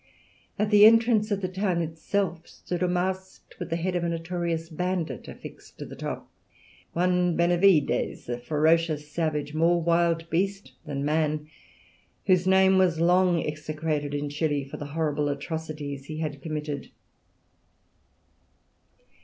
At the entrance of the town itself stood a mast, with the head of a notorious bandit affixed to the top, one Benavidez, a ferocious savage, more wild beast than man, whose name was long execrated in Chili for the horrible atrocities he had committed.